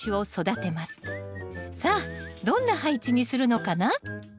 さあどんな配置にするのかな？